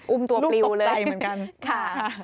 อุ้มตัวปลิวเลยค่ะลูกตกใจเหมือนกัน